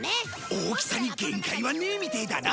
大きさに限界はねえみたいだな